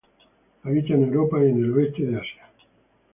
Habita en Europa y en el oeste de Asia.